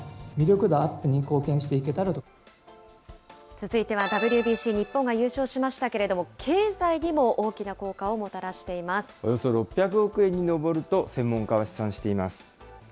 続いてはＷＢＣ、日本が優勝しましたけれども、経済にも大きな効果をもたらしていおよそ６００億円に上ると専門家は試算しています。